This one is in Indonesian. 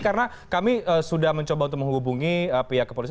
karena kami sudah mencoba untuk menghubungi pihak kepolisian